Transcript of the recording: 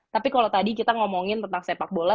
tapi kalau tadi kita ngomongin tentang sepak bola